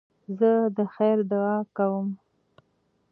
زه د خیر دؤعا کوم.